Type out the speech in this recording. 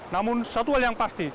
namun satu hal yang pasti